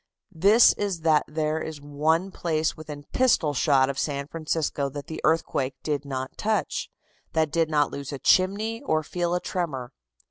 This is that there is one place within pistol shot of San Francisco that the earthquake did not touch, that did not lose a chimney or feel a tremor.